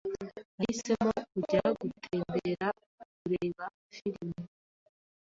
Nahisemo kujya gutembera kureba firime.